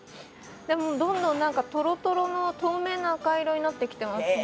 でもどんどん何かトロトロの透明な赤色になってきてますね。